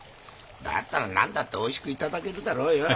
だったら何だっておいしく頂けるだろうよ。